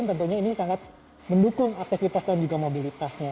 tentunya ini sangat mendukung aktivitas dan juga mobilitasnya